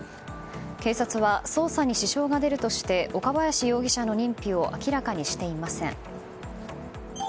警察は、捜査に支障が出るとして岡林容疑者の認否を明らかにしていません。